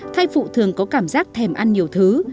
thai phụ thường có cảm giác thèm ăn nhiều thứ